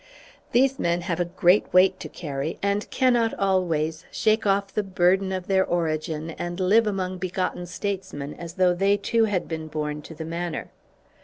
These men have a great weight to carry, and cannot always shake off the burden of their origin and live among begotten statesmen as though they too had been born to the manner.